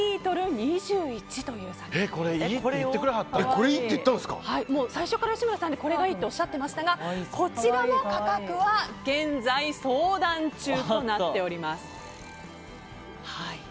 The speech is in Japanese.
これいいって最初から吉村さんこれがいいっておっしゃってましたがこちらの価格は現在、相談中となっております。